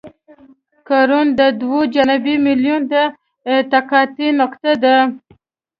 کرون د دوه جانبي میلونو د تقاطع نقطه ده